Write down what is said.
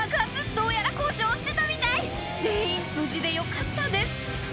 どうやら故障してたみたい全員無事でよかったです